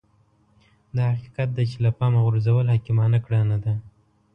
دا حقيقت دی چې له پامه غورځول حکيمانه کړنه ده.